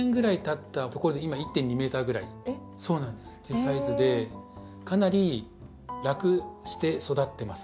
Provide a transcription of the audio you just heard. っていうサイズでかなり楽して育ってます。